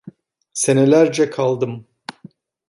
Senelerce kaldım.